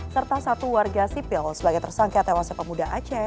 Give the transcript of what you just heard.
serta satu warga sipil sebagai tersangka tewasnya pemuda aceh